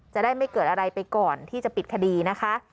จะได้ไม่เกิดอะไรไปก่อนที่จะปิดคดีนะคะ